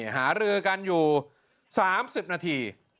หารือกันอยู่๓๐นาที